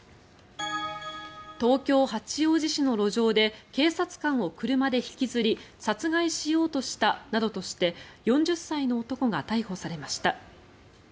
東京・八王子市の路上で警察官を車で引きずり殺害しようとしたなどとして４０歳の男が逮捕されました。